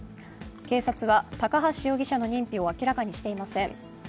警察は高橋容疑者の認否を明らかにしていません。